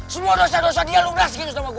semua dosa dosa dia lu rasikin sama gua